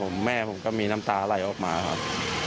แม่ผมก็มีน้ำตาไหลออกมาครับ